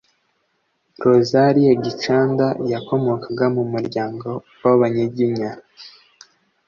Rosalie Gicanda yakomokaga mu muryango w’Abanyiginya.